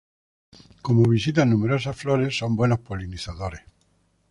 Como visitan numerosas flores son buenos polinizadores.